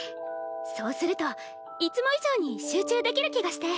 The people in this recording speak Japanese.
そうするといつも以上に集中できる気がして。